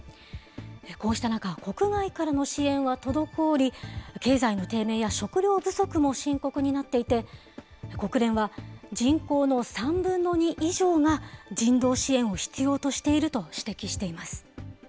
こうした中、国外からの支援は滞り、経済の低迷や食料不足も深刻になっていて、国連は人口の３分の２以上が人道支援を必要としていると指摘しています。